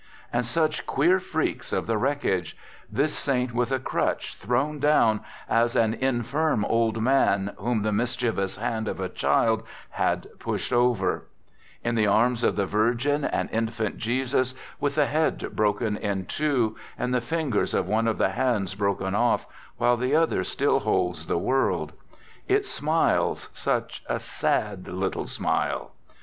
And such queer freaks of the wreckage ; this saint with a crutch, thrown down, as an infirm old man whom the mischievous hand of a child had pushed THE GOOD SOLDIER" 61 over; in the arms of the YixglP, an Infant Jesus with the head broken In two, and the lingers^ of one of the hands broken off while the other still holds the world ; it smiles, such a sad little smile